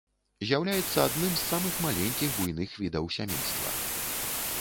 З'яўляецца адным з самых маленькіх буйных відаў сямейства.